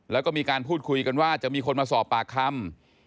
แล้วก็มีการพูดคุยกันว่าจะมีคนมาสอบปากคำ